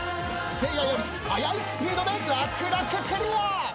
せいやより速いスピードで楽々クリア。